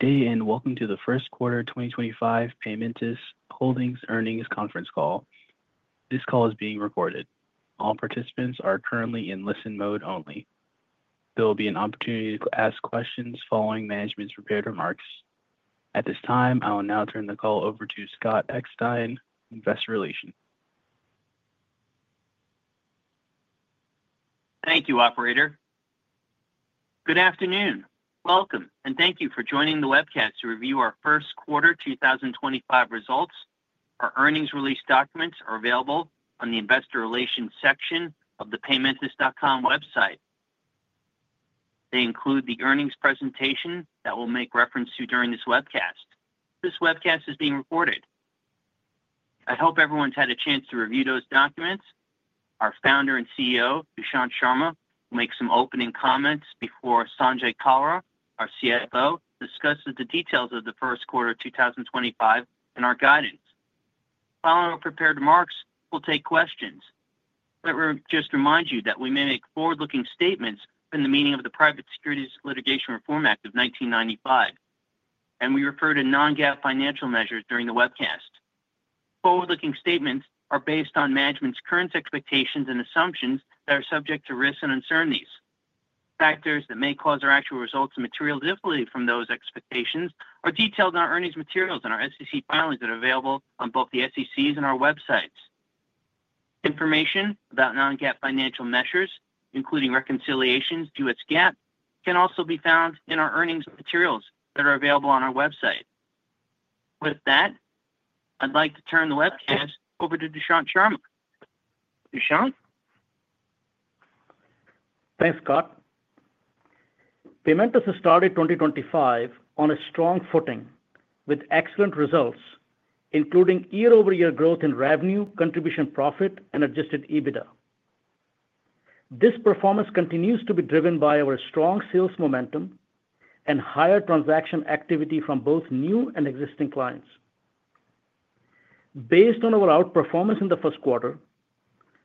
Good day and welcome to the First Quarter 2025 Paymentus Holdings Earnings Conference Call. This call is being recorded. All participants are currently in listen mode only. There will be an opportunity to ask questions following management's prepared remarks. At this time, I will now turn the call over to Scott Eckstein, Investor Relations. Thank you, operator. Good afternoon. Welcome, and thank you for joining the webcast to review our First Quarter 2025 Results. Our earnings release documents are available on the investor relations section of the paymentus.com website. They include the earnings presentation that we'll make reference to during this webcast. This webcast is being recorded. I hope everyone's had a chance to review those documents. Our Founder and CEO, Dushyant Sharma, will make some opening comments before Sanjay Kalra, our CFO, discusses the details of the first quarter 2025 and our guidance. Following our prepared remarks, we'll take questions. Let me just remind you that we may make forward-looking statements in the meaning of the Private Securities Litigation Reform Act of 1995, and we refer to non-GAAP financial measures during the webcast. Forward-looking statements are based on management's current expectations and assumptions that are subject to risks and uncertainties. Factors that may cause our actual results to materially differ from those expectations are detailed in our earnings materials and our SEC filings that are available on both the SEC's and our websites. Information about non-GAAP financial measures, including reconciliations to its GAAP, can also be found in our earnings materials that are available on our website. With that, I'd like to turn the webcast over to Dushyant Sharma. Dushyant? Thanks, Scott. Paymentus has started 2025 on a strong footing with excellent results, including year-over-year growth in revenue, contribution profit, and adjusted EBITDA. This performance continues to be driven by our strong sales momentum and higher transaction activity from both new and existing clients. Based on our outperformance in the first quarter,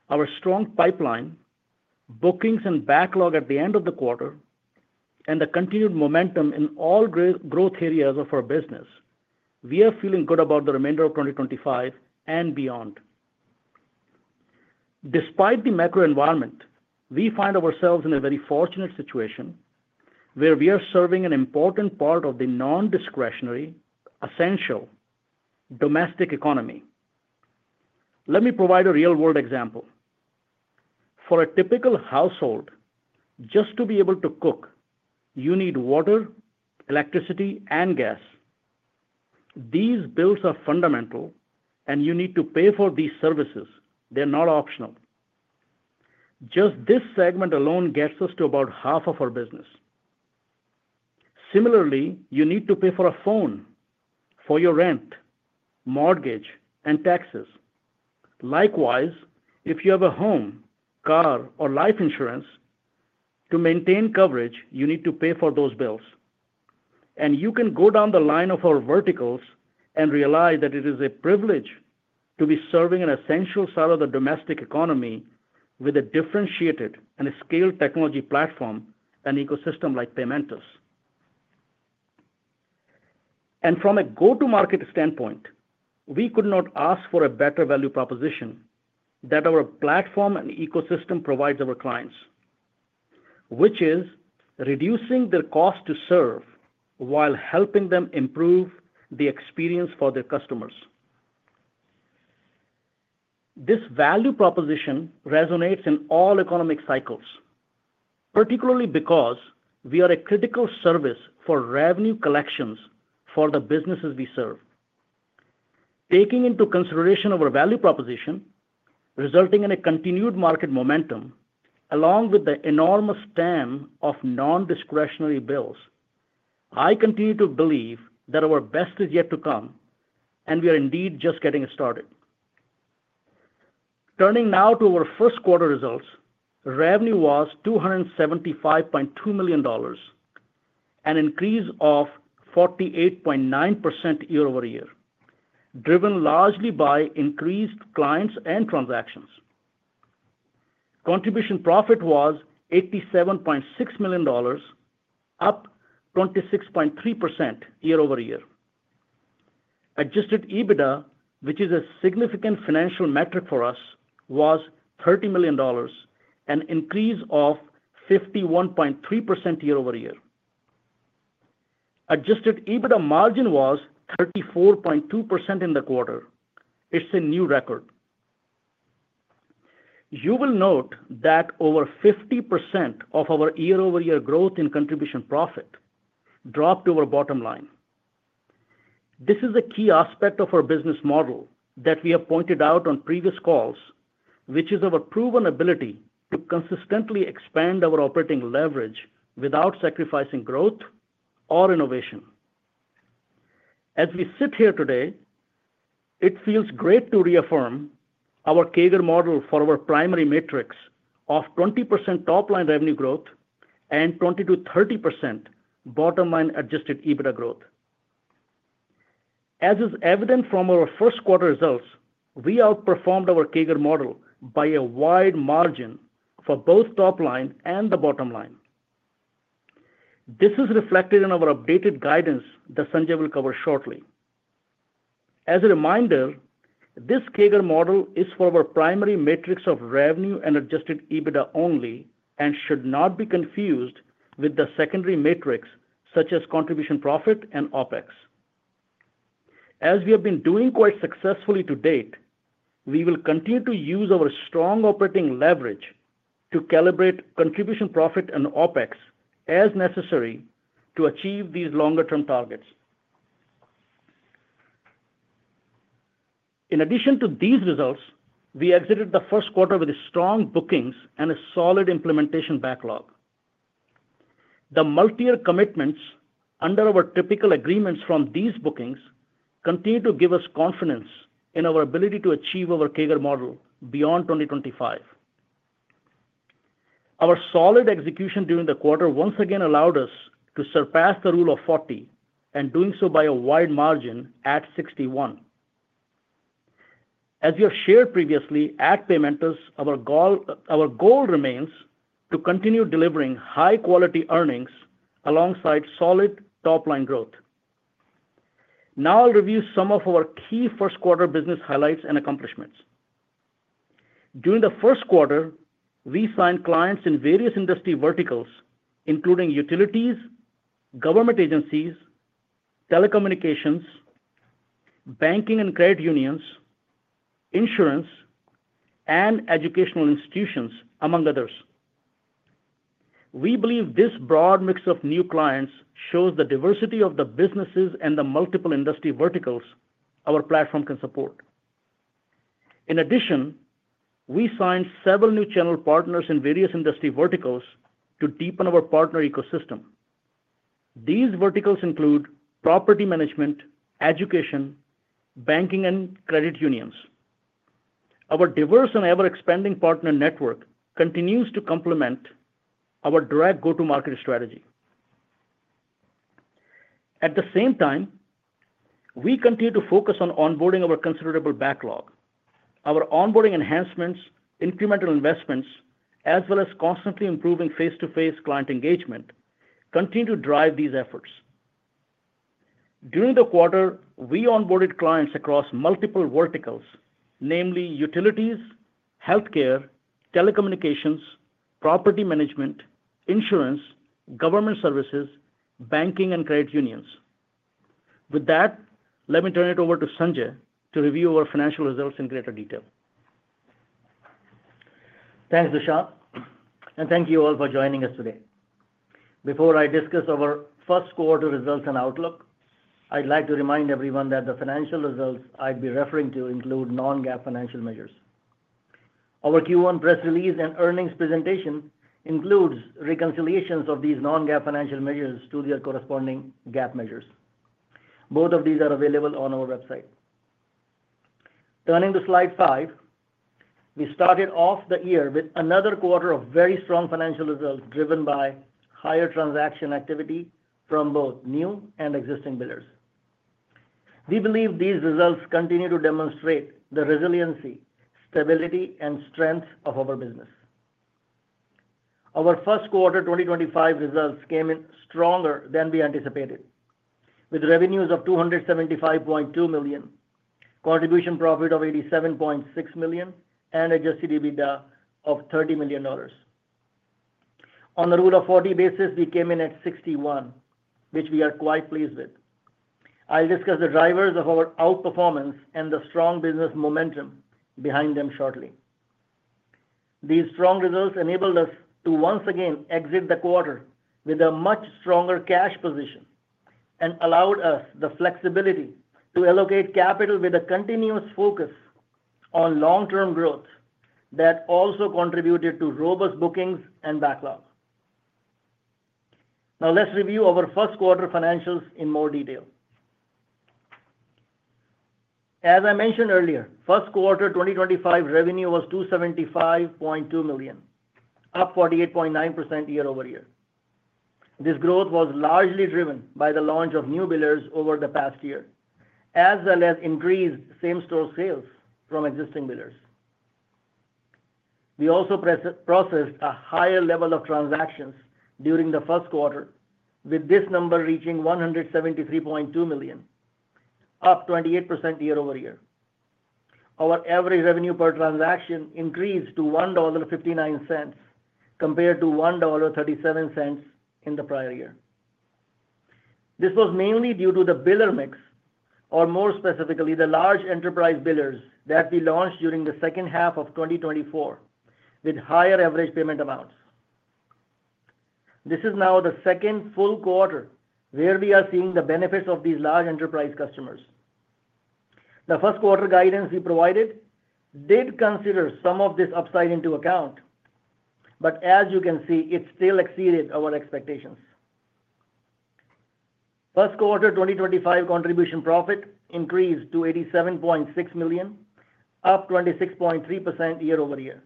our strong pipeline, bookings and backlog at the end of the quarter, and the continued momentum in all growth areas of our business, we are feeling good about the remainder of 2025 and beyond. Despite the macro environment, we find ourselves in a very fortunate situation where we are serving an important part of the non-discretionary essential domestic economy. Let me provide a real-world example. For a typical household, just to be able to cook, you need water, electricity, and gas. These bills are fundamental, and you need to pay for these services. They're not optional. Just this segment alone gets us to about half of our business. Similarly, you need to pay for a phone, for your rent, mortgage, and taxes. Likewise, if you have a home, car, or life insurance, to maintain coverage, you need to pay for those bills. You can go down the line of our verticals and realize that it is a privilege to be serving an essential side of the domestic economy with a differentiated and scaled technology platform and ecosystem like Paymentus. From a go-to-market standpoint, we could not ask for a better value proposition that our platform and ecosystem provides our clients, which is reducing their cost to serve while helping them improve the experience for their customers. This value proposition resonates in all economic cycles, particularly because we are a critical service for revenue collections for the businesses we serve. Taking into consideration our value proposition, resulting in a continued market momentum along with the enormous span of non-discretionary bills, I continue to believe that our best is yet to come, and we are indeed just getting started. Turning now to our first quarter results, revenue was $275.2 million, an increase of 48.9% year-over-year, driven largely by increased clients and transactions. Contribution profit was $87.6 million, up 26.3% year-over-year. Adjusted EBITDA, which is a significant financial metric for us, was $30 million, an increase of 51.3% year-over-year. Adjusted EBITDA margin was 34.2% in the quarter. It's a new record. You will note that over 50% of our year-over-year growth in contribution profit dropped to our bottom line. This is a key aspect of our business model that we have pointed out on previous calls, which is our proven ability to consistently expand our operating leverage without sacrificing growth or innovation. As we sit here today, it feels great to reaffirm our CAGR model for our primary metrics of 20% top-line revenue growth and 20%-30% bottom-line adjusted EBITDA growth. As is evident from our first quarter results, we outperformed our CAGR model by a wide margin for both top-line and the bottom line. This is reflected in our updated guidance that Sanjay will cover shortly. As a reminder, this CAGR model is for our primary metrics of revenue and adjusted EBITDA only and should not be confused with the secondary metrics such as contribution profit and OpEx. As we have been doing quite successfully to date, we will continue to use our strong operating leverage to calibrate contribution profit and OpEx as necessary to achieve these longer-term targets. In addition to these results, we exited the first quarter with strong bookings and a solid implementation backlog. The multi-year commitments under our typical agreements from these bookings continue to give us confidence in our ability to achieve our CAGR model beyond 2025. Our solid execution during the quarter once again allowed us to surpass the Rule of 40 and doing so by a wide margin at 61%. As we have shared previously at Paymentus, our goal remains to continue delivering high-quality earnings alongside solid top-line growth. Now I'll review some of our key first quarter business highlights and accomplishments. During the first quarter, we signed clients in various industry verticals, including utilities, government agencies, telecommunications, banking and credit unions, insurance, and educational institutions, among others. We believe this broad mix of new clients shows the diversity of the businesses and the multiple industry verticals our platform can support. In addition, we signed several new channel partners in various industry verticals to deepen our partner ecosystem. These verticals include property management, education, banking, and credit unions. Our diverse and ever-expanding partner network continues to complement our direct go-to-market strategy. At the same time, we continue to focus on onboarding our considerable backlog. Our onboarding enhancements, incremental investments, as well as constantly improving face-to-face client engagement, continue to drive these efforts. During the quarter, we onboarded clients across multiple verticals, namely utilities, healthcare, telecommunications, property management, insurance, government services, banking, and credit unions. With that, let me turn it over to Sanjay to review our financial results in greater detail. Thanks, Dushyant, and thank you all for joining us today. Before I discuss our first quarter results and outlook, I'd like to remind everyone that the financial results I'd be referring to include non-GAAP financial measures. Our Q1 press release and earnings presentation includes reconciliations of these non-GAAP financial measures to their corresponding GAAP measures. Both of these are available on our website. Turning to slide five, we started off the year with another quarter of very strong financial results driven by higher transaction activity from both new and existing billers. We believe these results continue to demonstrate the resiliency, stability, and strength of our business. Our first quarter 2025 results came in stronger than we anticipated, with revenues of $275.2 million, contribution profit of $87.6 million, and adjusted EBITDA of $30 million. On the Rule of 40 basis, we came in at 61%, which we are quite pleased with. I'll discuss the drivers of our outperformance and the strong business momentum behind them shortly. These strong results enabled us to once again exit the quarter with a much stronger cash position and allowed us the flexibility to allocate capital with a continuous focus on long-term growth that also contributed to robust bookings and backlog. Now, let's review our first quarter financials in more detail. As I mentioned earlier, first quarter 2025 revenue was $275.2 million, up 48.9% year-over-year. This growth was largely driven by the launch of new billers over the past year, as well as increased same-store sales from existing billers. We also processed a higher level of transactions during the first quarter, with this number reaching $173.2 million, up 28% year-over-year. Our average revenue per transaction increased to $1.59 compared to $1.37 in the prior year. This was mainly due to the biller mix, or more specifically, the large enterprise billers that we launched during the second half of 2024 with higher average payment amounts. This is now the second full quarter where we are seeing the benefits of these large enterprise customers. The first quarter guidance we provided did consider some of this upside into account, but as you can see, it still exceeded our expectations. First quarter 2025 contribution profit increased to $87.6 million, up 26.3% year-over-year.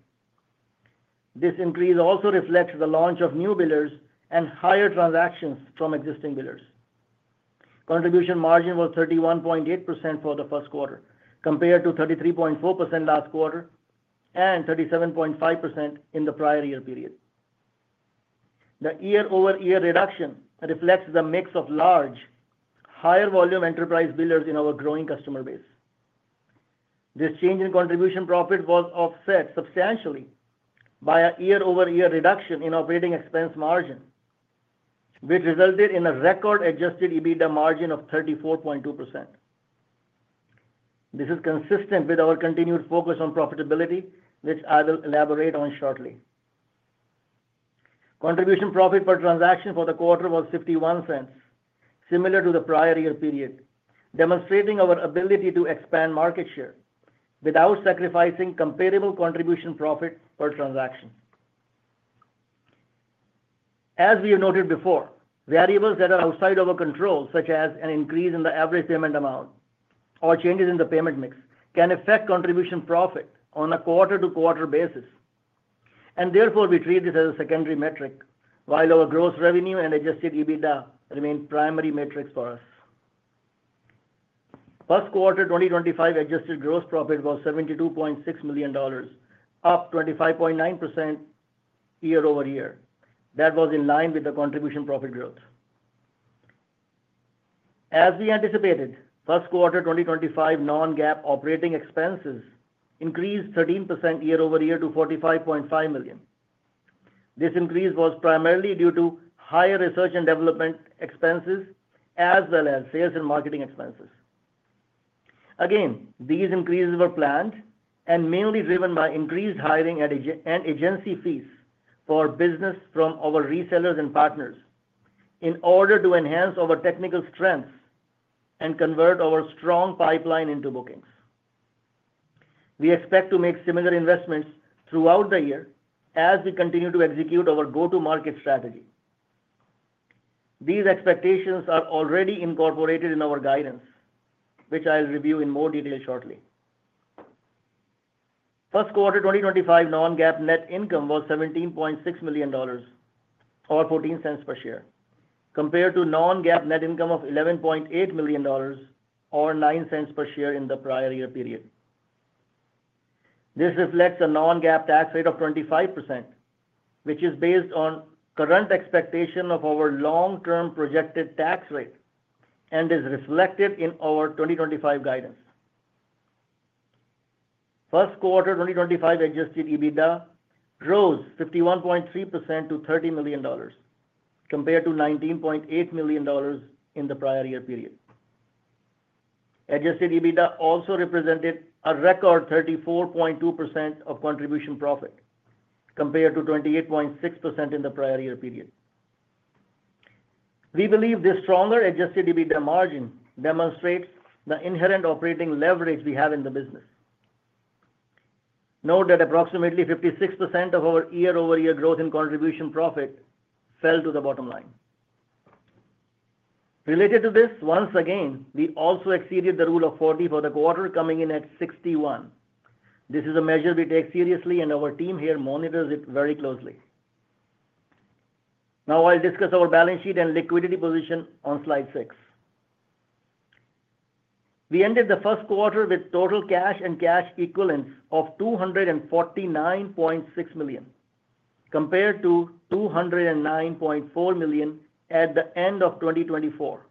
This increase also reflects the launch of new billers and higher transactions from existing billers. Contribution margin was 31.8% for the first quarter compared to 33.4% last quarter and 37.5% in the prior year period. The year-over-year reduction reflects the mix of large, higher-volume enterprise billers in our growing customer base. This change in contribution profit was offset substantially by a year-over-year reduction in operating expense margin, which resulted in a record adjusted EBITDA margin of 34.2%. This is consistent with our continued focus on profitability, which I will elaborate on shortly. Contribution profit per transaction for the quarter was $0.51, similar to the prior year period, demonstrating our ability to expand market share without sacrificing comparable contribution profit per transaction. As we have noted before, variables that are outside of our control, such as an increase in the average payment amount or changes in the payment mix, can affect contribution profit on a quarter-to-quarter basis. Therefore, we treat this as a secondary metric, while our gross revenue and adjusted EBITDA remain primary metrics for us. First quarter 2025 adjusted gross profit was $72.6 million, up 25.9% year-over-year. That was in line with the contribution profit growth. As we anticipated, first quarter 2025 non-GAAP operating expenses increased 13% year-over-year to $45.5 million. This increase was primarily due to higher research and development expenses, as well as sales and marketing expenses. Again, these increases were planned and mainly driven by increased hiring and agency fees for business from our resellers and partners in order to enhance our technical strengths and convert our strong pipeline into bookings. We expect to make similar investments throughout the year as we continue to execute our go-to-market strategy. These expectations are already incorporated in our guidance, which I'll review in more detail shortly. First quarter 2025 non-GAAP net income was $17.6 million or $0.14 per share, compared to non-GAAP net income of $11.8 million or $0.09 per share in the prior year period. This reflects a non-GAAP tax rate of 25%, which is based on current expectation of our long-term projected tax rate and is reflected in our 2025 guidance. First quarter 2025 adjusted EBITDA rose 51.3% to $30 million compared to $19.8 million in the prior year period. Adjusted EBITDA also represented a record 34.2% of contribution profit compared to 28.6% in the prior year period. We believe this stronger adjusted EBITDA margin demonstrates the inherent operating leverage we have in the business. Note that approximately 56% of our year-over-year growth in contribution profit fell to the bottom line. Related to this, once again, we also exceeded the Rule of 40 for the quarter, coming in at 61. This is a measure we take seriously, and our team here monitors it very closely. Now, I'll discuss our balance sheet and liquidity position on slide six. We ended the first quarter with total cash and cash equivalents of $249.6 million compared to $209.4 million at the end of 2024.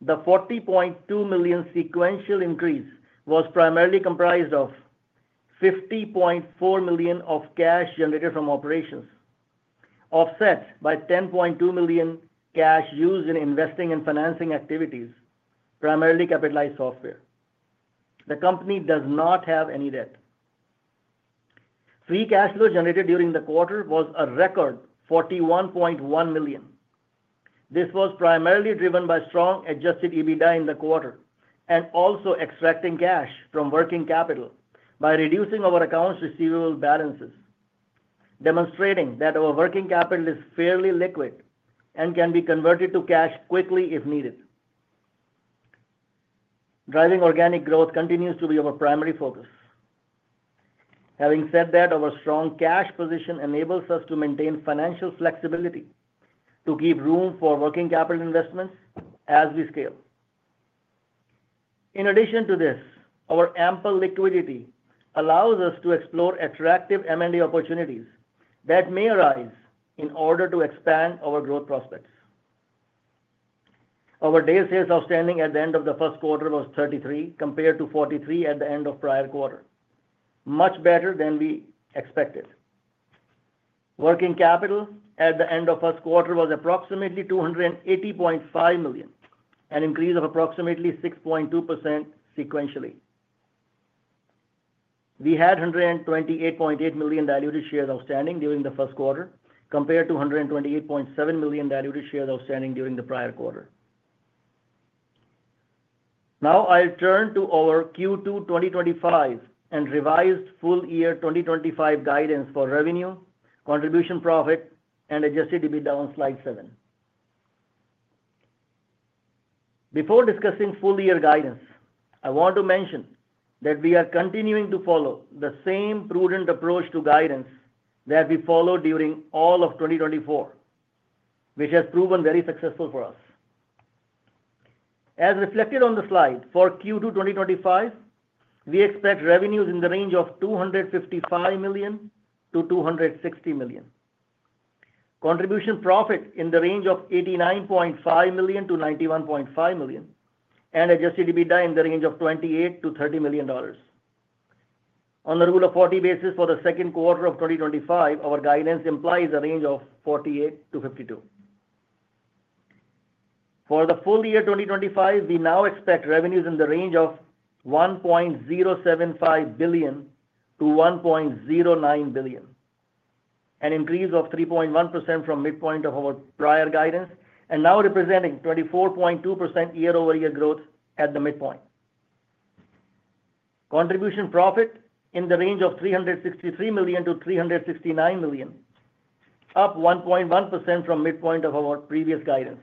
The $40.2 million sequential increase was primarily comprised of $50.4 million of cash generated from operations, offset by $10.2 million cash used in investing and financing activities, primarily capitalized software. The company does not have any debt. Free cash flow generated during the quarter was a record $41.1 million. This was primarily driven by strong adjusted EBITDA in the quarter and also extracting cash from working capital by reducing our accounts receivable balances, demonstrating that our working capital is fairly liquid and can be converted to cash quickly if needed. Driving organic growth continues to be our primary focus. Having said that, our strong cash position enables us to maintain financial flexibility to keep room for working capital investments as we scale. In addition to this, our ample liquidity allows us to explore attractive M&A opportunities that may arise in order to expand our growth prospects. Our Days Sales Outstanding at the end of the first quarter was 33 compared to 43 at the end of the prior quarter, much better than we expected. Working capital at the end of the first quarter was approximately $280.5 million, an increase of approximately 6.2% sequentially. We had $128.8 million diluted shares outstanding during the first quarter compared to $128.7 million diluted shares outstanding during the prior quarter. Now, I'll turn to our Q2 2025 and revised full year 2025 guidance for revenue, contribution profit, and adjusted EBITDA on slide seven. Before discussing full year guidance, I want to mention that we are continuing to follow the same prudent approach to guidance that we followed during all of 2024, which has proven very successful for us. As reflected on the slide, for Q2 2025, we expect revenues in the range of $255 million-$260 million, contribution profit in the range of $89.5 million-$91.5 million, and adjusted EBITDA in the range of $28 million-$30 million. On the Rule of 40 basis for the second quarter of 2025, our guidance implies a range of 48-52. For the full year 2025, we now expect revenues in the range of $1.075 billion-$1.09 billion, an increase of 3.1% from midpoint of our prior guidance, and now representing 24.2% year-over-year growth at the midpoint. Contribution profit in the range of $363 million-$369 million, up 1.1% from midpoint of our previous guidance.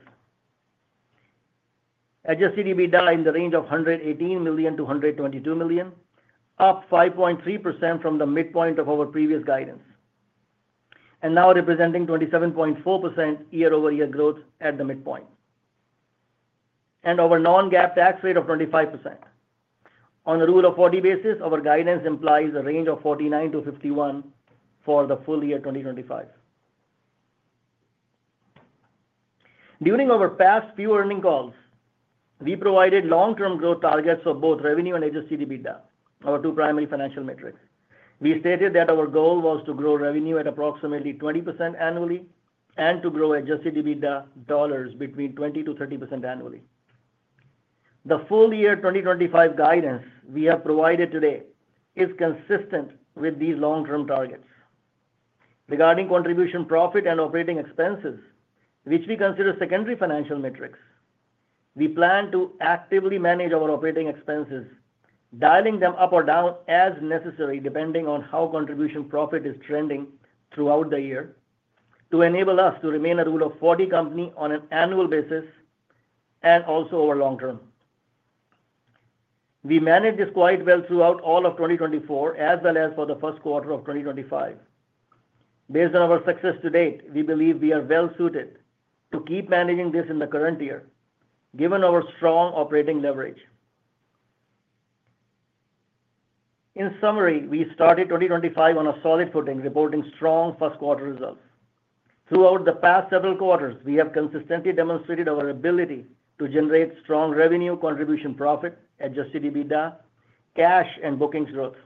Adjusted EBITDA in the range of $118 million-$122 million, up 5.3% from the midpoint of our previous guidance, and now representing 27.4% year-over-year growth at the midpoint. Our non-GAAP tax rate of 25%. On the Rule of 40 basis, our guidance implies a range of 49-51 for the full year 2025. During our past few earning calls, we provided long-term growth targets for both revenue and adjusted EBITDA, our two primary financial metrics. We stated that our goal was to grow revenue at approximately 20% annually and to grow adjusted EBITDA dollars between 20%-30% annually. The full year 2025 guidance we have provided today is consistent with these long-term targets. Regarding contribution profit and operating expenses, which we consider secondary financial metrics, we plan to actively manage our operating expenses, dialing them up or down as necessary depending on how contribution profit is trending throughout the year to enable us to remain a Rule of 40 company on an annual basis and also over long term. We managed this quite well throughout all of 2024, as well as for the first quarter of 2025. Based on our success to date, we believe we are well suited to keep managing this in the current year, given our strong operating leverage. In summary, we started 2025 on a solid footing, reporting strong first quarter results. Throughout the past several quarters, we have consistently demonstrated our ability to generate strong revenue, contribution profit, adjusted EBITDA, cash, and bookings growth.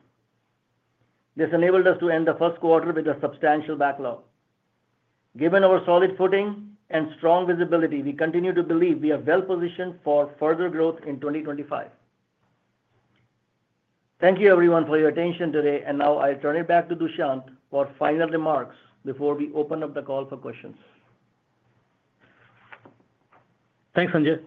This enabled us to end the first quarter with a substantial backlog. Given our solid footing and strong visibility, we continue to believe we are well positioned for further growth in 2025. Thank you, everyone, for your attention today. Now I'll turn it back to Dushyant for final remarks before we open up the call for questions. Thanks, Sanjay.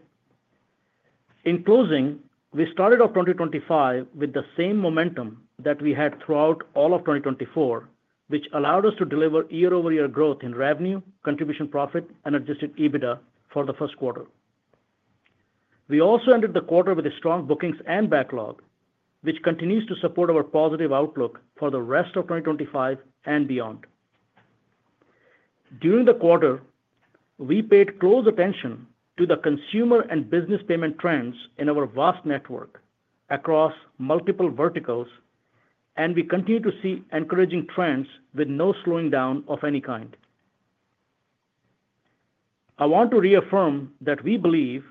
In closing, we started off 2025 with the same momentum that we had throughout all of 2024, which allowed us to deliver year-over-year growth in revenue, contribution profit, and adjusted EBITDA for the first quarter. We also ended the quarter with strong bookings and backlog, which continues to support our positive outlook for the rest of 2025 and beyond. During the quarter, we paid close attention to the consumer and business payment trends in our vast network across multiple verticals, and we continue to see encouraging trends with no slowing down of any kind. I want to reaffirm that we believe,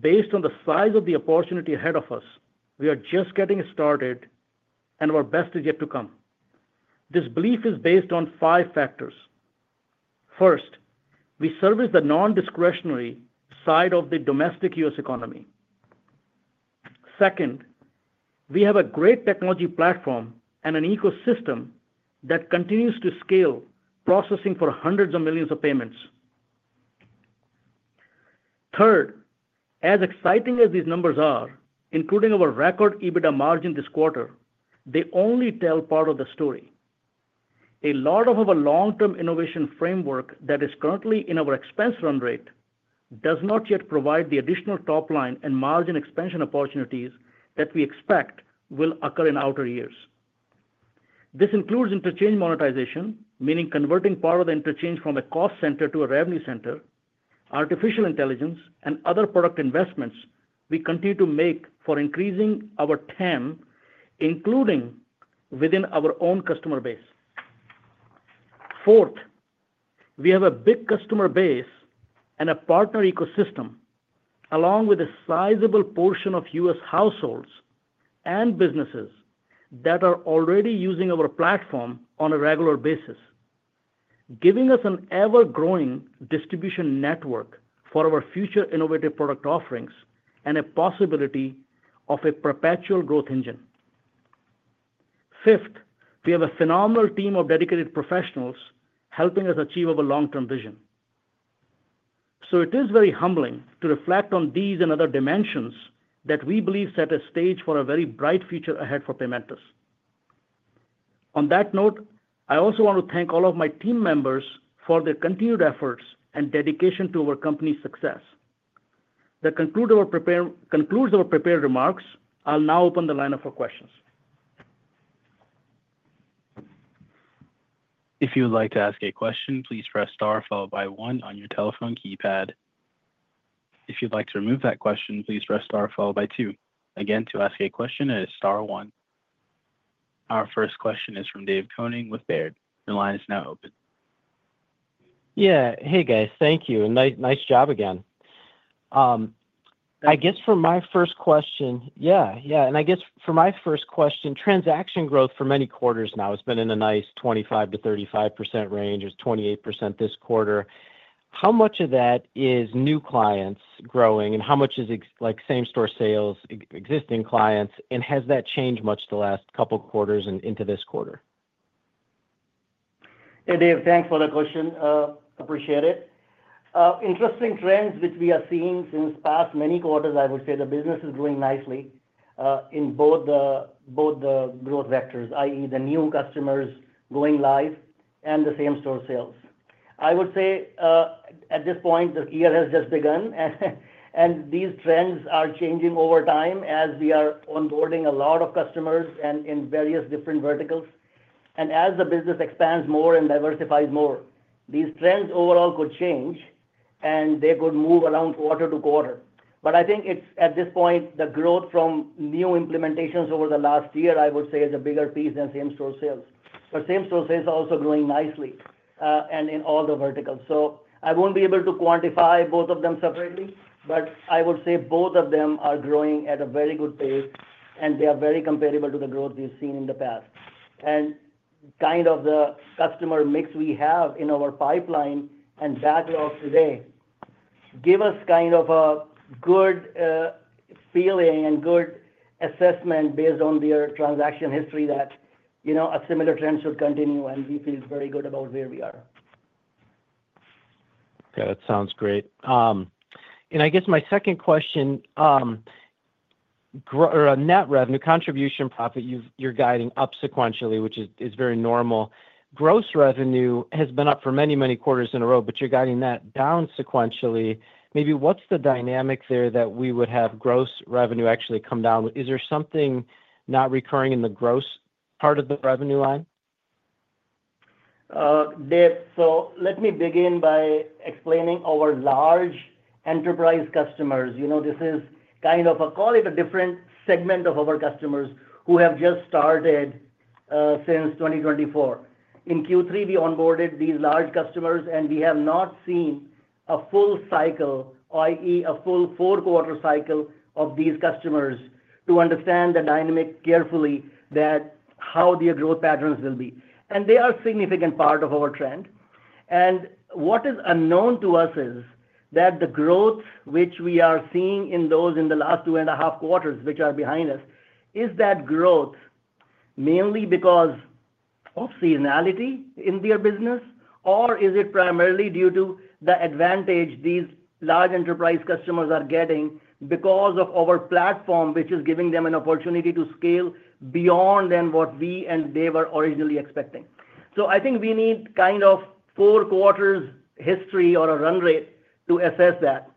based on the size of the opportunity ahead of us, we are just getting started and our best is yet to come. This belief is based on five factors. First, we service the non-discretionary side of the domestic U.S. economy. Second, we have a great technology platform and an ecosystem that continues to scale processing for hundreds of millions of payments. Third, as exciting as these numbers are, including our record EBITDA margin this quarter, they only tell part of the story. A lot of our long-term innovation framework that is currently in our expense run rate does not yet provide the additional top line and margin expansion opportunities that we expect will occur in outer years. This includes interchange monetization, meaning converting part of the interchange from a cost center to a revenue center, artificial intelligence, and other product investments we continue to make for increasing our TAM, including within our own customer base. Fourth, we have a big customer base and a partner ecosystem, along with a sizable portion of U.S. households and businesses that are already using our platform on a regular basis, giving us an ever-growing distribution network for our future innovative product offerings and a possibility of a perpetual growth engine. Fifth, we have a phenomenal team of dedicated professionals helping us achieve our long-term vision. It is very humbling to reflect on these and other dimensions that we believe set a stage for a very bright future ahead for Paymentus. On that note, I also want to thank all of my team members for their continued efforts and dedication to our company's success. That concludes our prepared remarks. I'll now open the lineup for questions. If you would like to ask a question, please press star followed by one on your telephone keypad. If you'd like to remove that question, please press star followed by two. Again, to ask a question, it is star one. Our first question is from Dave Koning with Baird. Your line is now open. Yeah. Hey, guys. Thank you. Nice job again. I guess for my first question, transaction growth for many quarters now has been in a nice 25%-35% range. It was 28% this quarter. How much of that is new clients growing, and how much is same-store sales, existing clients? Has that changed much the last couple of quarters and into this quarter? Hey, Dave, thanks for the question. Appreciate it. Interesting trends which we are seeing since past many quarters, I would say the business is growing nicely in both the growth vectors, i.e., the new customers going live and the same-store sales. I would say at this point, the year has just begun, and these trends are changing over time as we are onboarding a lot of customers in various different verticals. As the business expands more and diversifies more, these trends overall could change, and they could move around quarter to quarter. I think at this point, the growth from new implementations over the last year, I would say, is a bigger piece than same-store sales. Same-store sales are also growing nicely and in all the verticals. I won't be able to quantify both of them separately, but I would say both of them are growing at a very good pace, and they are very comparable to the growth we've seen in the past. The customer mix we have in our pipeline and backlog today gives us a good feeling and good assessment based on their transaction history that a similar trend should continue, and we feel very good about where we are. Okay. That sounds great. I guess my second question, net revenue, contribution profit, you're guiding up sequentially, which is very normal. Gross revenue has been up for many, many quarters in a row, but you're guiding that down sequentially. Maybe what's the dynamic there that we would have gross revenue actually come down? Is there something not recurring in the gross part of the revenue line? Dave, let me begin by explaining our large enterprise customers. This is kind of, I'll call it a different segment of our customers who have just started since 2024. In Q3, we onboarded these large customers, and we have not seen a full cycle, i.e., a full four-quarter cycle of these customers to understand the dynamic carefully that how their growth patterns will be. They are a significant part of our trend. What is unknown to us is that the growth which we are seeing in those in the last two and a half quarters, which are behind us, is that growth mainly because of seasonality in their business, or is it primarily due to the advantage these large enterprise customers are getting because of our platform, which is giving them an opportunity to scale beyond than what we and they were originally expecting? I think we need kind of four-quarters history or a run rate to assess that.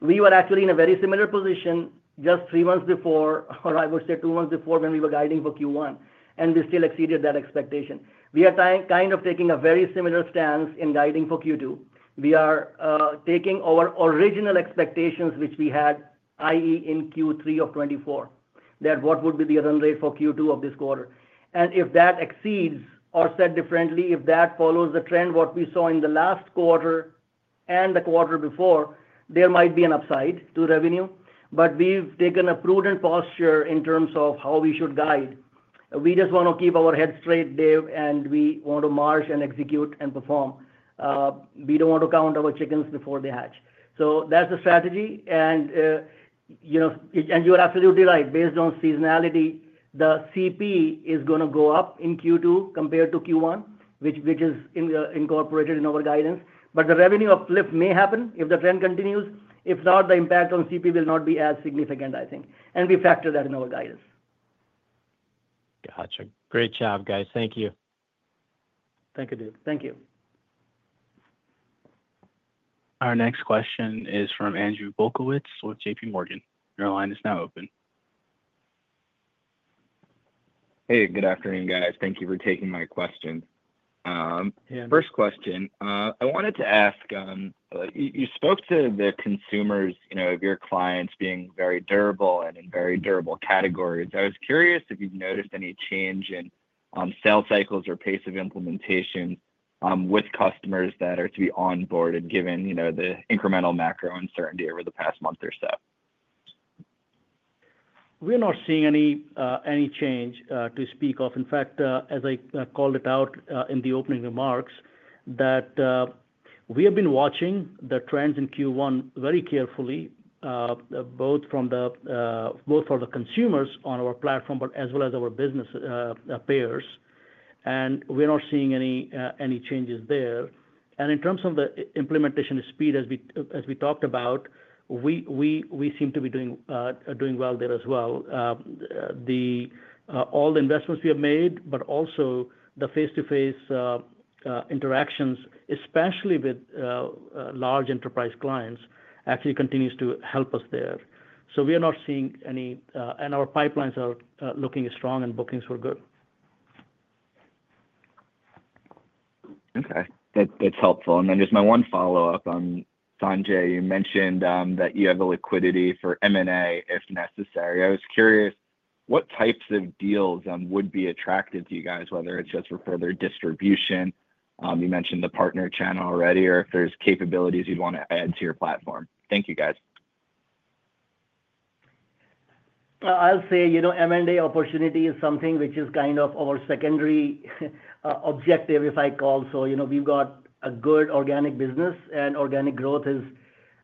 We were actually in a very similar position just three months before, or I would say two months before when we were guiding for Q1, and we still exceeded that expectation. We are kind of taking a very similar stance in guiding for Q2. We are taking our original expectations which we had, i.e., in Q3 of 2024, that what would be the run rate for Q2 of this quarter. If that exceeds, or said differently, if that follows the trend what we saw in the last quarter and the quarter before, there might be an upside to revenue. We have taken a prudent posture in terms of how we should guide. We just want to keep our head straight, Dave, and we want to march and execute and perform. We do not want to count our chickens before they hatch. That is the strategy. You are absolutely right. Based on seasonality, the CP is going to go up in Q2 compared to Q1, which is incorporated in our guidance. The revenue uplift may happen if the trend continues. If not, the impact on CP will not be as significant, I think. We factor that in our guidance. Gotcha. Great job, guys. Thank you. Thank you, Dave. Thank you. Our next question is from Andrew Polkowitz with JPMorgan. Your line is now open. Hey, good afternoon, guys. Thank you for taking my question. First question, I wanted to ask, you spoke to the consumers of your clients being very durable and in very durable categories. I was curious if you've noticed any change in sale cycles or pace of implementation with customers that are to be onboarded given the incremental macro uncertainty over the past month or so. We're not seeing any change to speak of. In fact, as I called it out in the opening remarks, that we have been watching the trends in Q1 very carefully, both for the consumers on our platform but as well as our business payers. We're not seeing any changes there. In terms of the implementation speed, as we talked about, we seem to be doing well there as well. All the investments we have made, but also the face-to-face interactions, especially with large enterprise clients, actually continues to help us there. We are not seeing any, and our pipelines are looking strong and bookings were good. Okay. That's helpful. Just my one follow-up on Sanjay. You mentioned that you have liquidity for M&A if necessary. I was curious what types of deals would be attractive to you guys, whether it is just for further distribution. You mentioned the partner channel already, or if there are capabilities you would want to add to your platform. Thank you, guys. I will say M&A opportunity is something which is kind of our secondary objective, if I call. We have got a good organic business, and organic growth is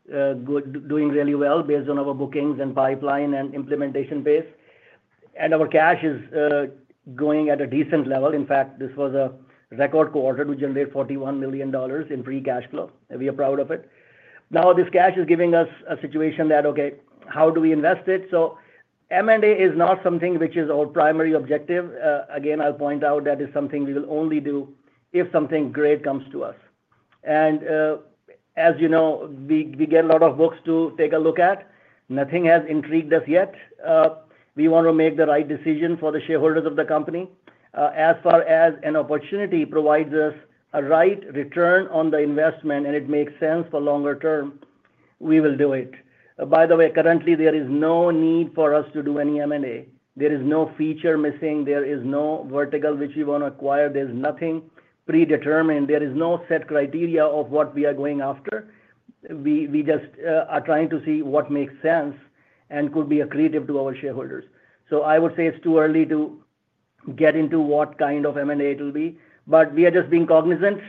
doing really well based on our bookings and pipeline and implementation base. Our cash is going at a decent level. In fact, this was a record quarter to generate $41 million in free cash flow. We are proud of it. Now, this cash is giving us a situation that, okay, how do we invest it? M&A is not something which is our primary objective. Again, I'll point out that is something we will only do if something great comes to us. As you know, we get a lot of books to take a look at. Nothing has intrigued us yet. We want to make the right decision for the shareholders of the company. As far as an opportunity provides us a right return on the investment and it makes sense for longer term, we will do it. By the way, currently, there is no need for us to do any M&A. There is no feature missing. There is no vertical which we want to acquire. There's nothing predetermined. There is no set criteria of what we are going after. We just are trying to see what makes sense and could be accretive to our shareholders. I would say it's too early to get into what kind of M&A it will be. We are just being cognizant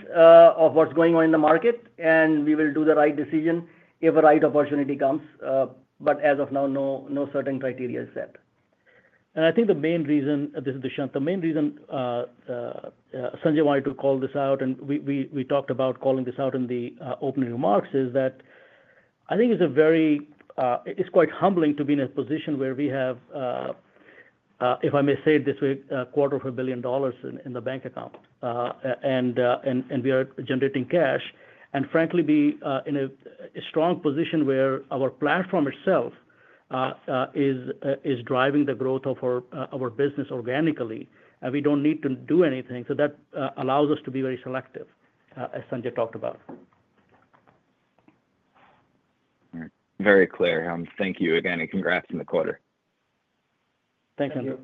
of what's going on in the market, and we will do the right decision if a right opportunity comes. As of now, no certain criteria is set. I think the main reason—this is Dushyant—the main reason Sanjay wanted to call this out, and we talked about calling this out in the opening remarks, is that I think it's quite humbling to be in a position where we have, if I may say it this way, a quarter of a billion dollars in the bank account, and we are generating cash. Frankly, we are in a strong position where our platform itself is driving the growth of our business organically, and we don't need to do anything. That allows us to be very selective, as Sanjay talked about. All right. Very clear. Thank you again, and congrats in the quarter. Thank you.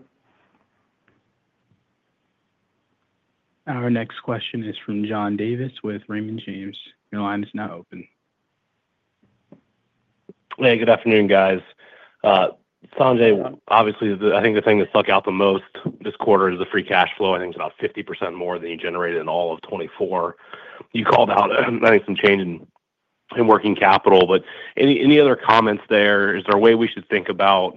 Our next question is from John Davis with Raymond James. Your line is now open. Hey, good afternoon, guys. Sanjay, obviously, I think the thing that stuck out the most this quarter is the free cash flow. I think it's about 50% more than you generated in all of 2024. You called out, I think, some change in working capital. Any other comments there? Is there a way we should think about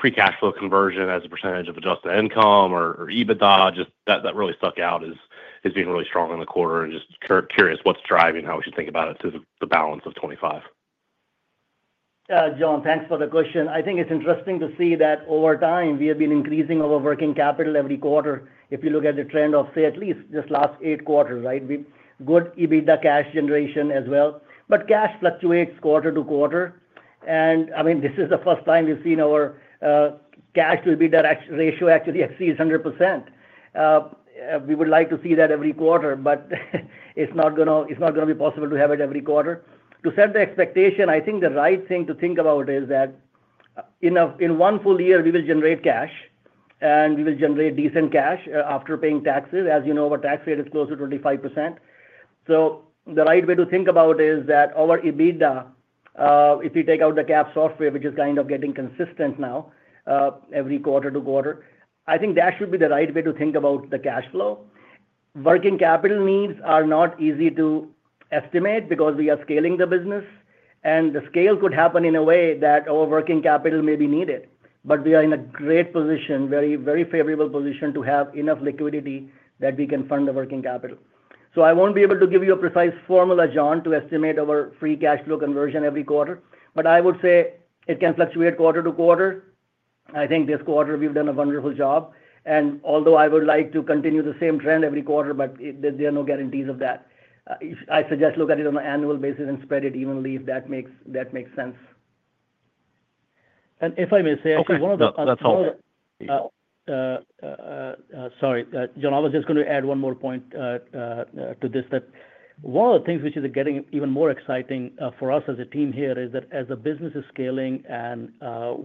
free cash flow conversion as a percentage of adjusted income or EBITDA? That really stuck out as being really strong in the quarter. Just curious what's driving how we should think about it to the balance of 2025. John, thanks for the question. I think it's interesting to see that over time, we have been increasing our working capital every quarter. If you look at the trend of, say, at least just last eight quarters, right? We've got EBITDA cash generation as well. Cash fluctuates quarter to quarter. I mean, this is the first time we've seen our cash-to-EBITDA ratio actually exceed 100%. We would like to see that every quarter, but it's not going to be possible to have it every quarter. To set the expectation, I think the right thing to think about is that in one full year, we will generate cash, and we will generate decent cash after paying taxes. As you know, our tax rate is close to 25%. The right way to think about it is that our EBITDA, if you take out the cap software, which is kind of getting consistent now every quarter to quarter, I think that should be the right way to think about the cash flow. Working capital needs are not easy to estimate because we are scaling the business, and the scale could happen in a way that our working capital may be needed. We are in a great position, very favorable position to have enough liquidity that we can fund the working capital. I won't be able to give you a precise formula, John, to estimate our free cash flow conversion every quarter. I would say it can fluctuate quarter to quarter. I think this quarter, we've done a wonderful job. Although I would like to continue the same trend every quarter, there are no guarantees of that. I suggest look at it on an annual basis and spread it evenly if that makes sense. If I may say, actually, one of the— Sorry. John, I was just going to add one more point to this. One of the things which is getting even more exciting for us as a team here is that as the business is scaling and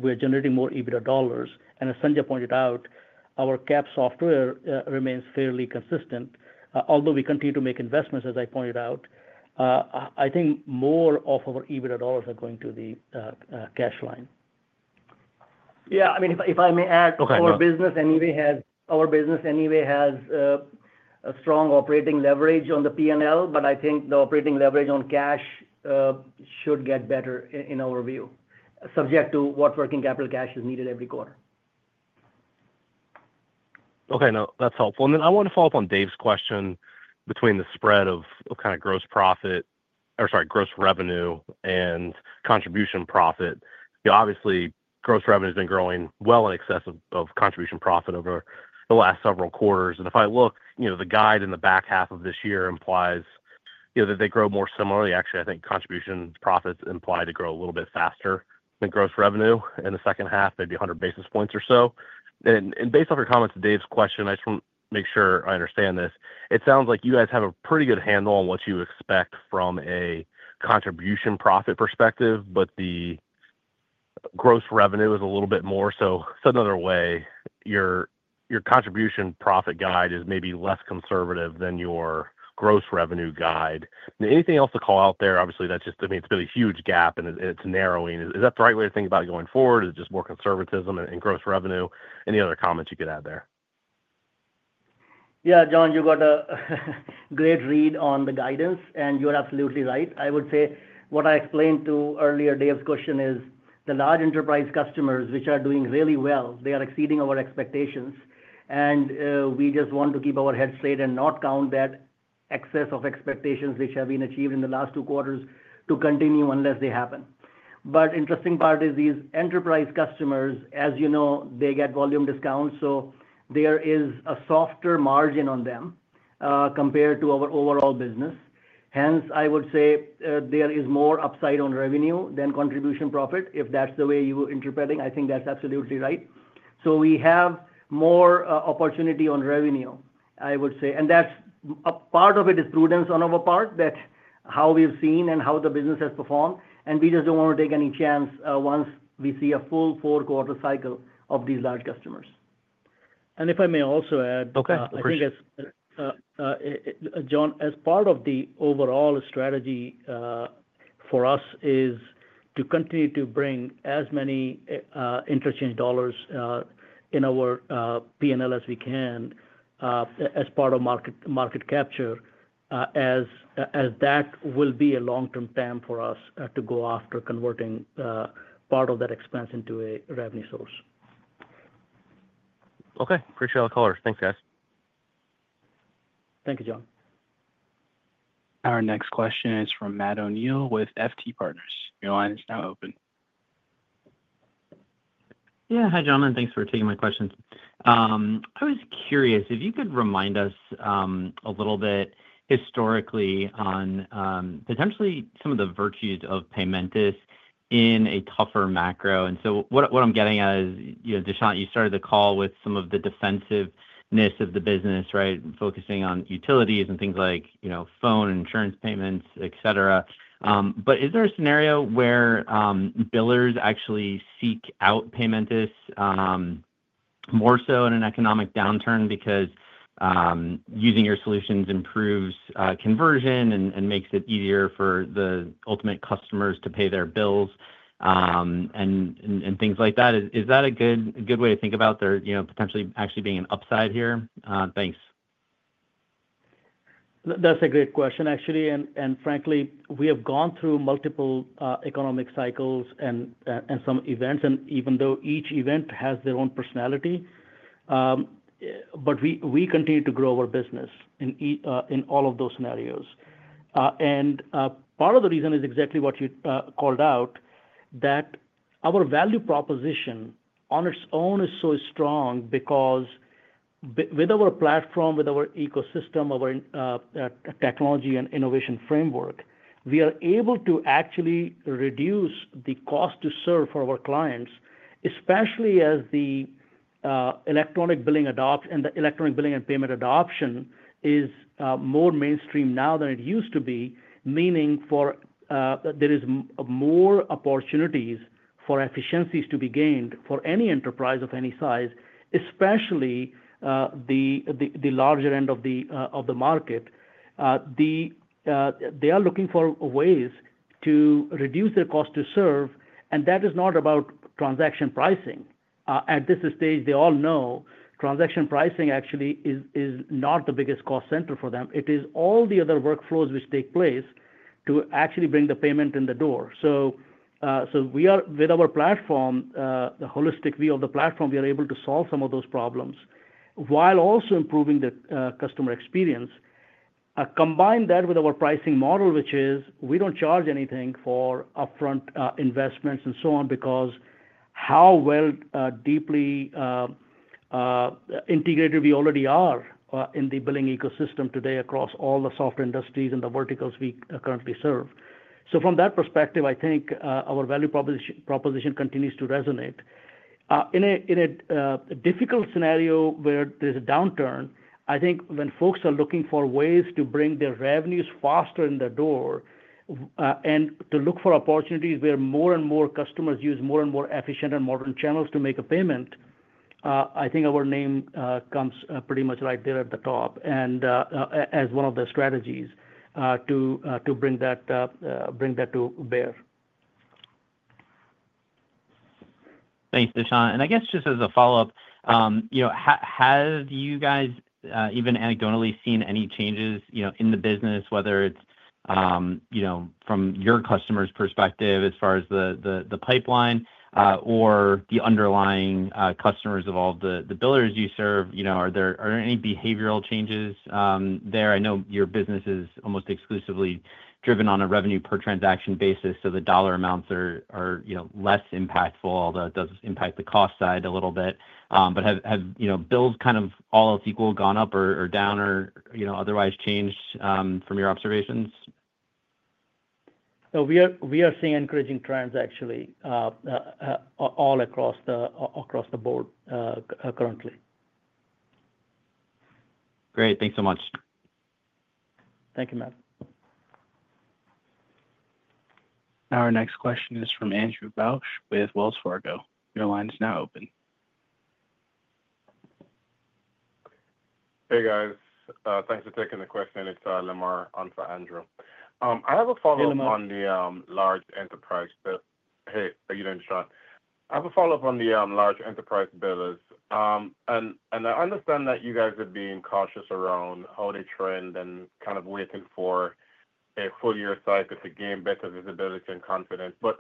we're generating more EBITDA dollars, and as Sanjay pointed out, our cap software remains fairly consistent. Although we continue to make investments, as I pointed out, I think more of our EBITDA dollars are going to the cash line. Yeah. I mean, if I may add, our business anyway has a strong operating leverage on the P&L, but I think the operating leverage on cash should get better in our view, subject to what working capital cash is needed every quarter. Okay. No, that's helpful. I want to follow up on Dave's question between the spread of kind of gross profit or sorry, gross revenue and contribution profit. Obviously, gross revenue has been growing well in excess of contribution profit over the last several quarters. If I look, the guide in the back half of this year implies that they grow more similarly. Actually, I think contribution profits imply to grow a little bit faster than gross revenue in the second half, maybe 100 basis points or so. Based off your comments to Dave's question, I just want to make sure I understand this. It sounds like you guys have a pretty good handle on what you expect from a contribution profit perspective, but the gross revenue is a little bit more. Said another way, your contribution profit guide is maybe less conservative than your gross revenue guide. Anything else to call out there? Obviously, that just means there's a huge gap, and it's narrowing. Is that the right way to think about it going forward? Is it just more conservatism in gross revenue? Any other comments you could add there? Yeah, John, you got a great read on the guidance, and you're absolutely right. I would say what I explained to earlier, Dave's question is the large enterprise customers which are doing really well, they are exceeding our expectations. We just want to keep our head straight and not count that excess of expectations which have been achieved in the last two quarters to continue unless they happen. The interesting part is these enterprise customers, as you know, they get volume discounts. There is a softer margin on them compared to our overall business. Hence, I would say there is more upside on revenue than contribution profit, if that's the way you were interpreting. I think that's absolutely right. We have more opportunity on revenue, I would say. Part of it is prudence on our part, how we've seen and how the business has performed. We just don't want to take any chance once we see a full four-quarter cycle of these large customers. If I may also add— Okay. Of course. John, as part of the overall strategy for us is to continue to bring as many interchange dollars in our P&L as we can as part of market capture, as that will be a long-term plan for us to go after converting part of that expense into a revenue source. Okay. Appreciate all the colors. Thanks, guys. Thank you, John. Our next question is from Matt O'Neill with FT Partners. Your line is now open. Yeah. Hi, John, and thanks for taking my questions. I was curious if you could remind us a little bit historically on potentially some of the virtues of Paymentus in a tougher macro. And so what I'm getting at is, Dushyant, you started the call with some of the defensiveness of the business, right, focusing on utilities and things like phone and insurance payments, etc. Is there a scenario where billers actually seek out Paymentus more so in an economic downturn because using your solutions improves conversion and makes it easier for the ultimate customers to pay their bills and things like that? Is that a good way to think about there potentially actually being an upside here? Thanks. That's a great question, actually. Frankly, we have gone through multiple economic cycles and some events. Even though each event has their own personality, we continue to grow our business in all of those scenarios. Part of the reason is exactly what you called out, that our value proposition on its own is so strong because with our platform, with our ecosystem, our technology and innovation framework, we are able to actually reduce the cost to serve for our clients, especially as the electronic billing adopts and the electronic billing and payment adoption is more mainstream now than it used to be, meaning there are more opportunities for efficiencies to be gained for any enterprise of any size, especially the larger end of the market. They are looking for ways to reduce their cost to serve. That is not about transaction pricing. At this stage, they all know transaction pricing actually is not the biggest cost center for them. It is all the other workflows which take place to actually bring the payment in the door. With our platform, the holistic view of the platform, we are able to solve some of those problems while also improving the customer experience. Combine that with our pricing model, which is we do not charge anything for upfront investments and so on because how well deeply integrated we already are in the billing ecosystem today across all the software industries and the verticals we currently serve. From that perspective, I think our value proposition continues to resonate. In a difficult scenario where there is a downturn, I think when folks are looking for ways to bring their revenues faster in the door and to look for opportunities where more and more customers use more and more efficient and modern channels to make a payment, I think our name comes pretty much right there at the top as one of the strategies to bring that to bear. Thanks, Dushyant. I guess just as a follow-up, have you guys even anecdotally seen any changes in the business, whether it's from your customer's perspective as far as the pipeline or the underlying customers of all the billers you serve? Are there any behavioral changes there? I know your business is almost exclusively driven on a revenue per transaction basis, so the dollar amounts are less impactful, although it does impact the cost side a little bit. Have bills, kind of all else equal, gone up or down or otherwise changed from your observations? We are seeing encouraging trends, actually, all across the board currently. Great. Thanks so much. Thank you, Matt. Our next question is from Andrew Bauch with Wells Fargo. Your line is now open. Hey, guys. Thanks for taking the question. It's Lamar on for Andrew. I have a follow-up on the large enterprise bill. Hey, how are you doing, Dushyant? I have a follow-up on the large enterprise billers. I understand that you guys are being cautious around how they trend and kind of waiting for a full year cycle to gain better visibility and confidence, but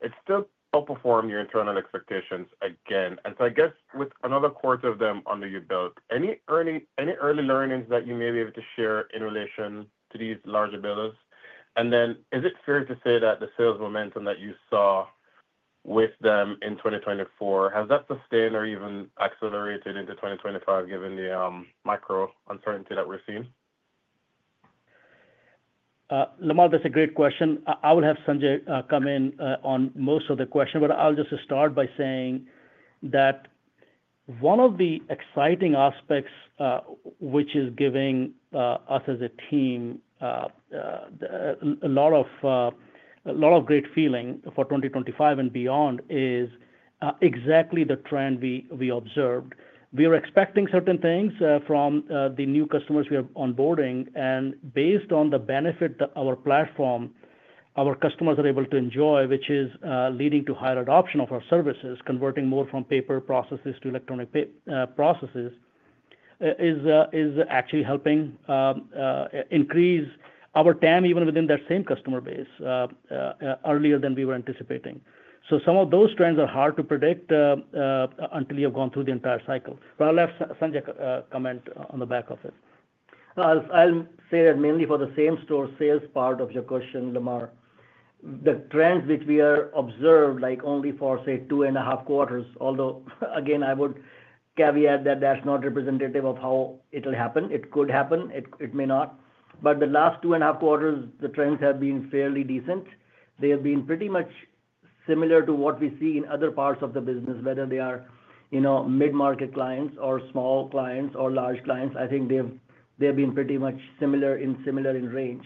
it still outperformed your internal expectations again. I guess with another quarter of them under your belt, any early learnings that you may be able to share in relation to these larger billers? Is it fair to say that the sales momentum that you saw with them in 2024, has that sustained or even accelerated into 2025 given the macro uncertainty that we're seeing? Lamar, that's a great question. I will have Sanjay come in on most of the question, but I'll just start by saying that one of the exciting aspects which is giving us as a team a lot of great feeling for 2025 and beyond is exactly the trend we observed. We were expecting certain things from the new customers we are onboarding. And based on the benefit that our platform, our customers are able to enjoy, which is leading to higher adoption of our services, converting more from paper processes to electronic processes, is actually helping increase our TAM even within that same customer base earlier than we were anticipating. Some of those trends are hard to predict until you have gone through the entire cycle. I will have Sanjay comment on the back of it. I'll say that mainly for the same store sales part of your question, Lamar, the trends which we have observed only for, say, two and a half quarters, although, again, I would caveat that that's not representative of how it will happen. It could happen. It may not. The last two and a half quarters, the trends have been fairly decent. They have been pretty much similar to what we see in other parts of the business, whether they are mid-market clients or small clients or large clients. I think they have been pretty much similar in range.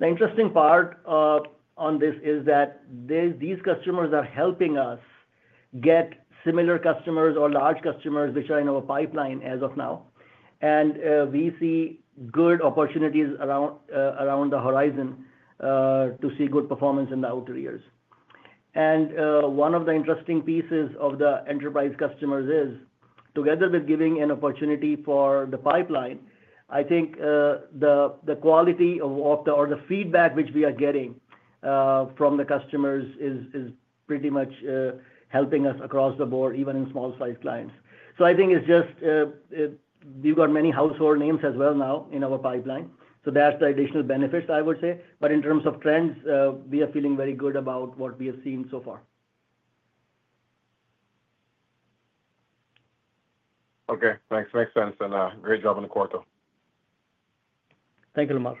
The interesting part on this is that these customers are helping us get similar customers or large customers which are in our pipeline as of now. We see good opportunities around the horizon to see good performance in the outer years. One of the interesting pieces of the enterprise customers is, together with giving an opportunity for the pipeline, I think the quality of the feedback which we are getting from the customers is pretty much helping us across the board, even in small-sized clients. I think it is just we have got many household names as well now in our pipeline. That is the additional benefits, I would say. In terms of trends, we are feeling very good about what we have seen so far. Okay. Thanks. Makes sense. Great job on the quarter. Thank you, Lamar.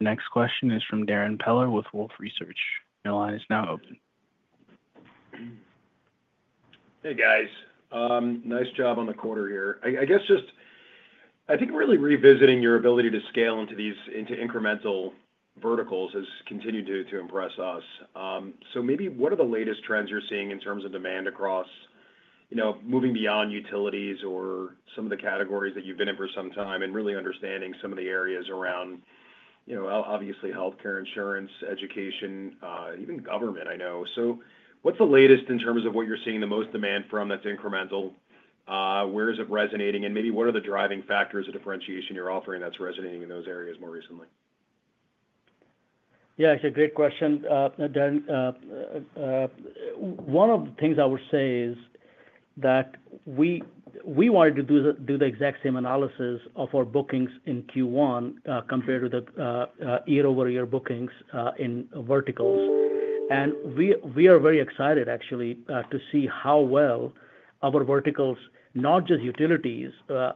Next question is from Darrin Peller with Wolfe Research. Your line is now open. Hey, guys. Nice job on the quarter here. I think really revisiting your ability to scale into incremental verticals has continued to impress us. Maybe what are the latest trends you're seeing in terms of demand across moving beyond utilities or some of the categories that you've been in for some time and really understanding some of the areas around, obviously, healthcare, insurance, education, even government, I know. What's the latest in terms of what you're seeing the most demand from that's incremental? Where is it resonating? Maybe what are the driving factors of differentiation you're offering that's resonating in those areas more recently? Yeah, it's a great question, Darrin. One of the things I would say is that we wanted to do the exact same analysis of our bookings in Q1 compared to the year-over-year bookings in verticals. We are very excited, actually, to see how well our verticals, not just utilities,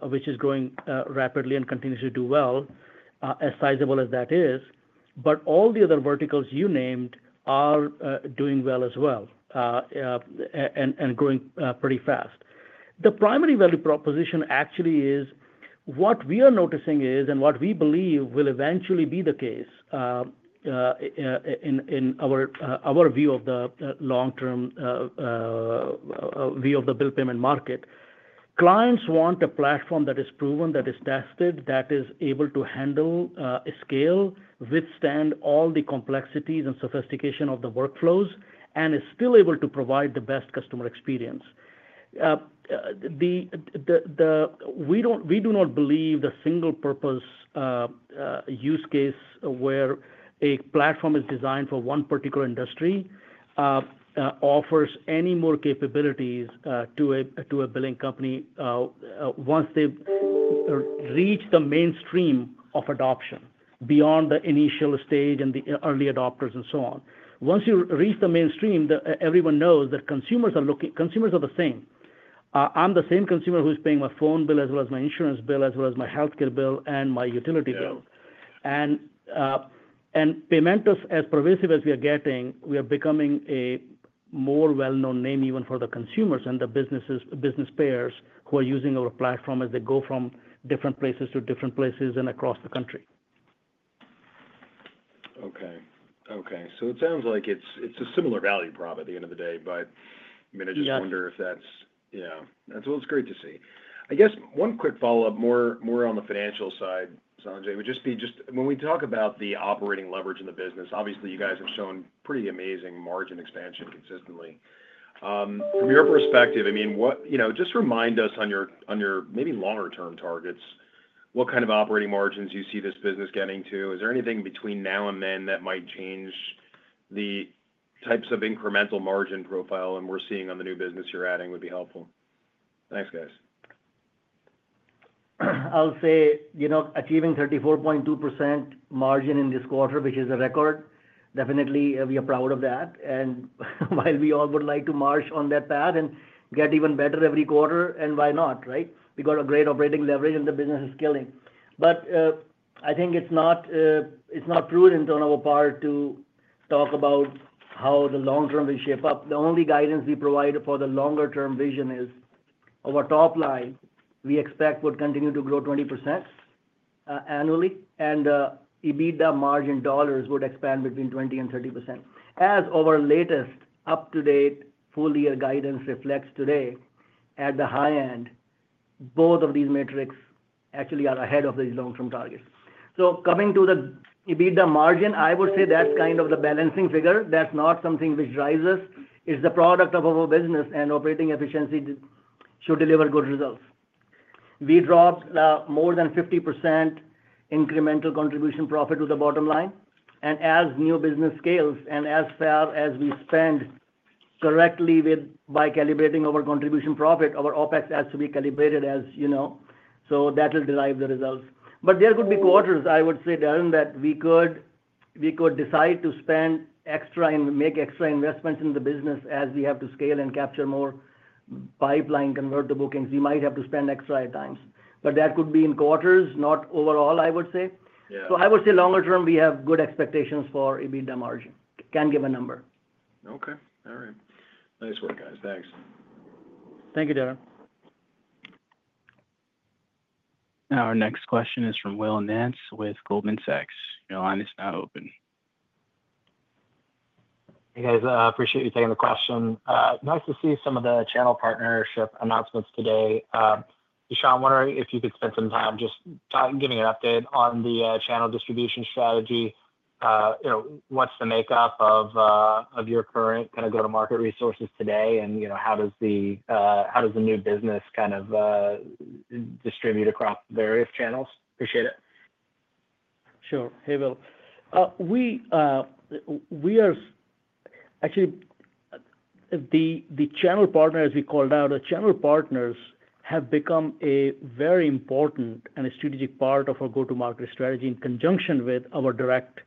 which is growing rapidly and continues to do well, as sizable as that is, but all the other verticals you named are doing well as well and growing pretty fast. The primary value proposition actually is what we are noticing is, and what we believe will eventually be the case in our view of the long-term view of the bill payment market. Clients want a platform that is proven, that is tested, that is able to handle, scale, withstand all the complexities and sophistication of the workflows, and is still able to provide the best customer experience. We do not believe the single-purpose use case where a platform is designed for one particular industry offers any more capabilities to a billing company once they reach the mainstream of adoption beyond the initial stage and the early adopters and so on. Once you reach the mainstream, everyone knows that consumers are the same. I'm the same consumer who's paying my phone bill as well as my insurance bill as well as my healthcare bill and my utility bill. And Paymentus, as pervasive as we are getting, we are becoming a more well-known name even for the consumers and the business payers who are using our platform as they go from different places to different places and across the country. Okay. Okay. It sounds like it's a similar value prop at the end of the day, but I mean, I just wonder if that's—yeah. That's what it's great to see. I guess one quick follow-up more on the financial side, Sanjay, would just be just when we talk about the operating leverage in the business, obviously, you guys have shown pretty amazing margin expansion consistently. From your perspective, I mean, just remind us on your maybe longer-term targets, what kind of operating margins you see this business getting to? Is there anything between now and then that might change the types of incremental margin profile and we're seeing on the new business you're adding would be helpful? Thanks, guys. I'll say achieving 34.2% margin in this quarter, which is a record, definitely we are proud of that. While we all would like to march on that path and get even better every quarter, and why not, right? We got a great operating leverage, and the business is scaling. I think it's not proven in our part to talk about how the long-term will shape up. The only guidance we provide for the longer-term vision is our top line, we expect would continue to grow 20% annually, and EBITDA margin dollars would expand between 20-30%. As our latest up-to-date full-year guidance reflects today, at the high end, both of these metrics actually are ahead of these long-term targets. Coming to the EBITDA margin, I would say that's kind of the balancing figure. That's not something which rises. It's the product of our business, and operating efficiency should deliver good results. We dropped more than 50% incremental contribution profit to the bottom line. As new business scales and as far as we spend correctly by calibrating our contribution profit, our OpEx has to be calibrated as you know. That will derive the results. There could be quarters, I would say, Darrin, that we could decide to spend extra and make extra investments in the business as we have to scale and capture more pipeline convertible things. We might have to spend extra at times. That could be in quarters, not overall, I would say. I would say longer term, we have good expectations for EBITDA margin. Can't give a number. Okay. All right. Nice work, guys. Thanks. Thank you, Darrin. Our next question is from Will Nance with Goldman Sachs. Your line is now open. Hey, guys. Appreciate you taking the question. Nice to see some of the channel partnership announcements today. Dushyant, wondering if you could spend some time just giving an update on the channel distribution strategy. What's the makeup of your current kind of go-to-market resources today, and how does the new business kind of distribute across various channels? Appreciate it. Sure. Hey, Will. We are actually the channel partners we called out. The channel partners have become a very important and a strategic part of our go-to-market strategy in conjunction with our direct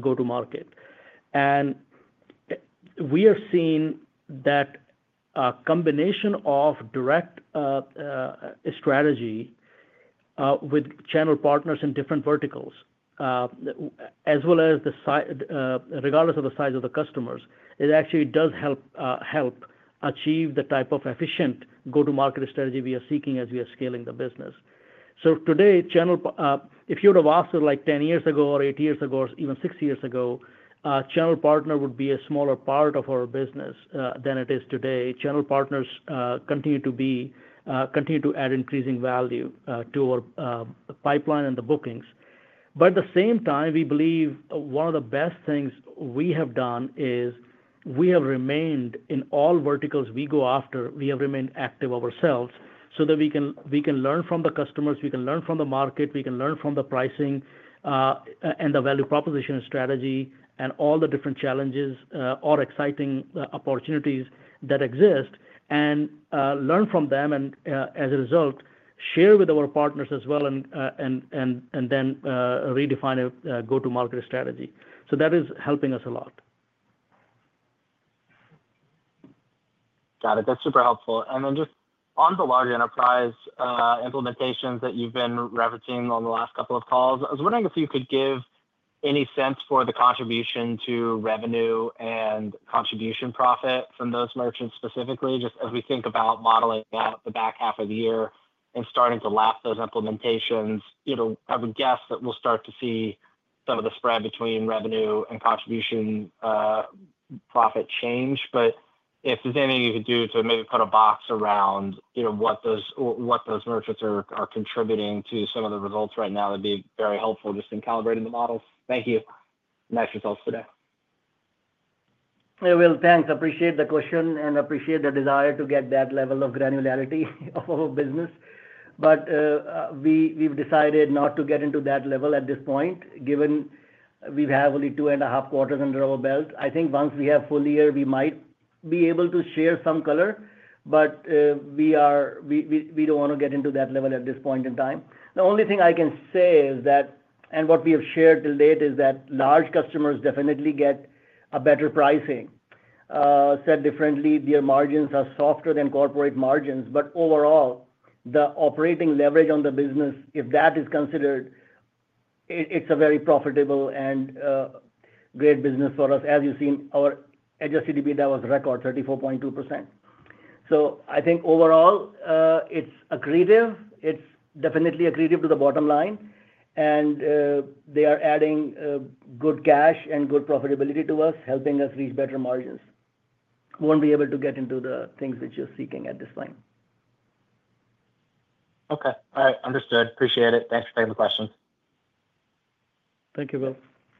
go-to-market. We are seeing that a combination of direct strategy with channel partners in different verticals, as well as regardless of the size of the customers, it actually does help achieve the type of efficient go-to-market strategy we are seeking as we are scaling the business. Today, if you would have asked us like 10 years ago or eight years ago or even six years ago, channel partner would be a smaller part of our business than it is today. Channel partners continue to add increasing value to our pipeline and the bookings. At the same time, we believe one of the best things we have done is we have remained in all verticals we go after, we have remained active ourselves so that we can learn from the customers, we can learn from the market, we can learn from the pricing and the value proposition strategy and all the different challenges or exciting opportunities that exist and learn from them and, as a result, share with our partners as well and then redefine a go-to-market strategy. That is helping us a lot. Got it. That's super helpful. Just on the large enterprise implementations that you've been referencing on the last couple of calls, I was wondering if you could give any sense for the contribution to revenue and contribution profit from those merchants specifically, just as we think about modeling out the back half of the year and starting to lap those implementations. I would guess that we'll start to see some of the spread between revenue and contribution profit change. If there's anything you could do to maybe put a box around what those merchants are contributing to some of the results right now, that'd be very helpful just in calibrating the model. Thank you. Nice results today. Hey, Will. Thanks. Appreciate the question and appreciate the desire to get that level of granularity of our business. We have decided not to get into that level at this point, given we have only two and a half quarters under our belt. I think once we have full year, we might be able to share some color, but we do not want to get into that level at this point in time. The only thing I can say is that, and what we have shared till date is that large customers definitely get a better pricing. Said differently, their margins are softer than corporate margins. Overall, the operating leverage on the business, if that is considered, it is a very profitable and great business for us. As you have seen, our adjusted EBITDA was record, 34.2%. I think overall, it is accretive. It is definitely accretive to the bottom line. They are adding good cash and good profitability to us, helping us reach better margins. We won't be able to get into the things which you're seeking at this point. Okay. All right. Understood. Appreciate it. Thanks for taking the questions. Thank you, Will.